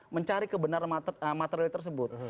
mencari kebenaran material tersebut